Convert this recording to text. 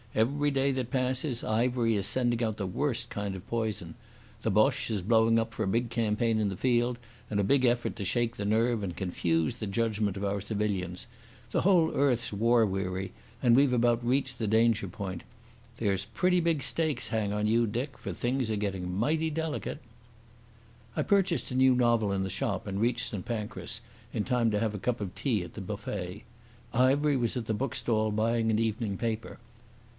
Every day that passes Ivery is sending out the worst kind of poison. The Boche is blowing up for a big campaign in the field, and a big effort to shake the nerve and confuse the judgement of our civilians. The whole earth's war weary, and we've about reached the danger point. There's pretty big stakes hang on you, Dick, for things are getting mighty delicate." I purchased a new novel in the shop and reached St Pancras in time to have a cup of tea at the buffet. Ivery was at the bookstall buying an evening paper.